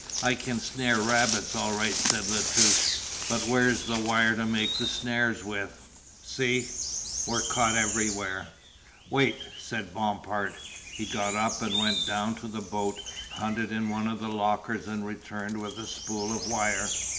"I can snare rabbits all right," said La Touche, "but where's the wire to make snares with see we're caught everywhere." "Wait," said Bompard. He got up and went down to the boat, hunted in one of the lockers and returned with a spool of wire.